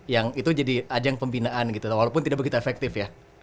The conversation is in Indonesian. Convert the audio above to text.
yang itu jadi ajang pembinaan gitu walaupun tidak begitu efektif ya